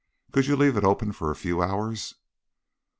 Could you leave it open for a few hours?"